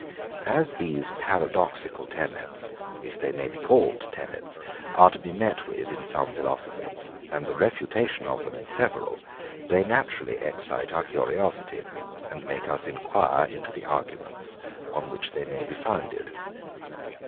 As these paradoxical tenets (if they may be called tenets) are to be met with in some philosophers, and the refutation of them in several, they naturally excite our curiosity, and make us enquire into the arguments, on which they may be founded.